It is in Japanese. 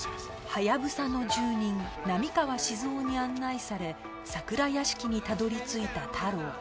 ハヤブサの住人波川志津雄に案内され桜屋敷にたどり着いた太郎